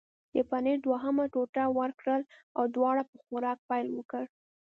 د پنیر دوهمه ټوټه ورکړل او دواړو په خوراک پیل وکړ.